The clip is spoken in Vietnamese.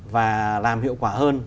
và làm hiệu quả hơn